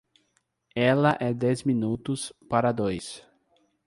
Ela é dez minutos para dois.